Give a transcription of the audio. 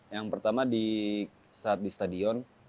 yang pertama saat di stadion